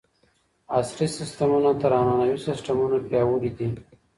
عصري سیستمونه تر عنعنوي سیستمونو پیاوړي دي.